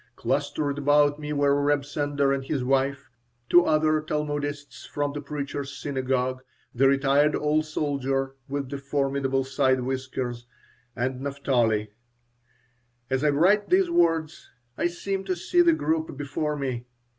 Clustered about me were Reb Sender and his wife, two other Talmudists from the Preacher's Synagogue, the retired old soldier with the formidable side whiskers, and Naphtali As I write these words I seem to see the group before me.